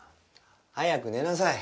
早く寝なさい。